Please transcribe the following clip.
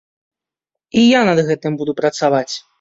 І я над гэтым буду працаваць.